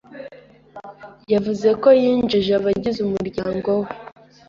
yavuze ko yinjije abagize umuryango we